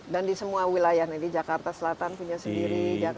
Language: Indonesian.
dan di semua wilayah di jakarta selatan punya sendiri jakarta nara